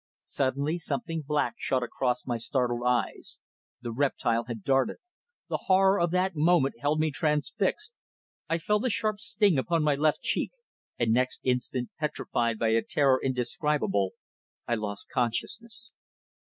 Suddenly, something black shot across my startled eyes. The reptile had darted. The horror of that moment held me transfixed. I felt a sharp sting upon my left cheek, and next instant, petrified by a terror indescribable, I lost consciousness.